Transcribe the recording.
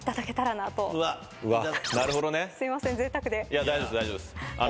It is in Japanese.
いや大丈夫です。